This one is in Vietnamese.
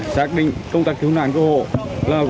xác định công tác cứu nạn của hộ